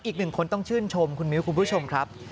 อีกหนึ่งคนต้องชื่นชมคุณมิ้วคุณผู้ชมครับ